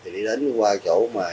đi đến qua chỗ mà